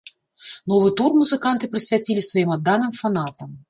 Новы тур музыканты прысвяцілі сваім адданым фанатам.